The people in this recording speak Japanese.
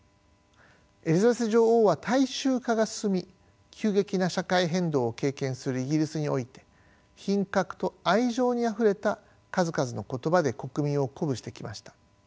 エリザベス女王は大衆化が進み急激な社会変動を経験するイギリスにおいて品格と愛情にあふれた数々の言葉で国民を鼓舞してきました。